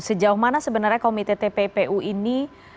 sejauh mana sebenarnya komite tppu ini